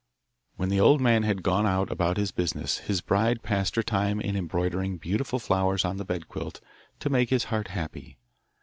When the old man had gone out about his business his bride passed her time in embroidering beautiful flowers on the bed quilt to make his heart happy.